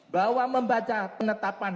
bahwa membaca penetapan